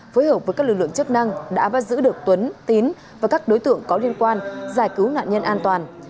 phối hợp với các lực lượng chức năng đã bắt giữ được tuấn tín và các đối tượng có liên quan giải cứu nạn nhân an toàn